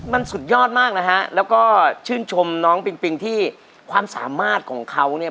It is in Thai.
มันสุดยอดมากนะฮะแล้วก็ชื่นชมน้องปิงปิงที่ความสามารถของเขาเนี่ย